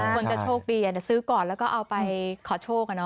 ควรจะโชคดีแต่ซื้อก่อนแล้วก็เอาไปขอโชค